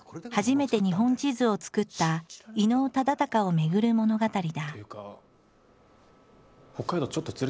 初めて日本地図を作った伊能忠敬をめぐる物語だ。